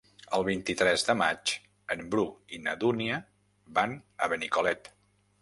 El vint-i-tres de maig en Bru i na Dúnia van a Benicolet.